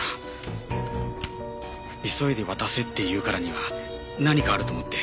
「急いで渡せ」って言うからには何かあると思って。